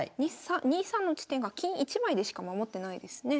２三の地点が金１枚でしか守ってないですね。